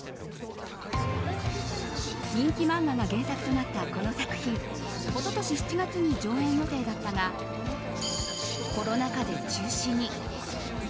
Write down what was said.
人気漫画が原作となったこの作品一昨年７月に上演予定だったがコロナ禍で中止に。